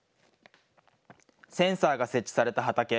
センサーが設置された畑。